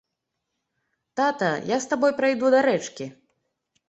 Тата, я з табой прайду да рэчкі.